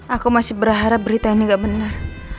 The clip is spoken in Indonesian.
aku masih berharap berita ini gak benar